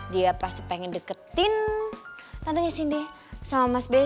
dia pasti pengen deketin tantenya cindy sama mas be